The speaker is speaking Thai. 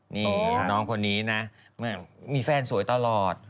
นี่น้องคนนี้นะมีแฟนสวยตลอด